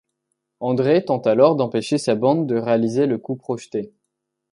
André tente alors d'empêcher sa bande de réaliser le coup projeté.